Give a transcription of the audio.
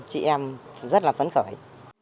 chị em rất là phấn khởi